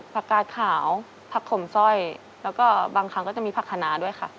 กาดขาวผักขมสร้อยแล้วก็บางครั้งก็จะมีผักขนาด้วยค่ะ